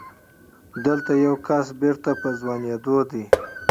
دلته يو کس بېرته په ځوانېدو دی.